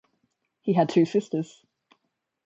He had two sisters.